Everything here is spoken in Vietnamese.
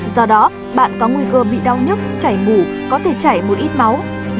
do đó bạn có nguy cơ bị đau nhức chảy mũ có thể chảy một ít máu